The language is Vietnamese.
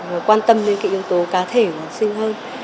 và quan tâm đến cái yếu tố cá thể của học sinh hơn